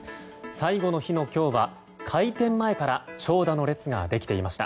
最後の日の今日は開店前から長蛇の列ができていました。